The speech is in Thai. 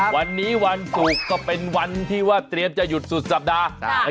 วันนี้วันศุกร์ก็เป็นวันที่ว่าเตรียมจะหยุดสุดสัปดาห์